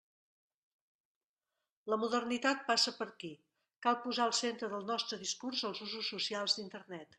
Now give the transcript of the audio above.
La modernitat passa per aquí, cal posar al centre del nostre discurs els usos socials d'Internet.